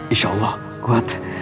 insya allah kuat